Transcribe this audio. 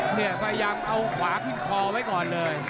พยายามเอาขวาขึ้นคอไว้ก่อนเลย